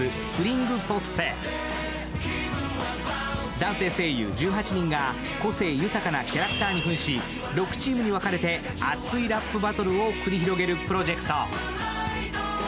男性声優１８人が個性豊かなキャラクターにふんし６チームに分かれて熱いラップバトルを繰り広げるプロジェクト。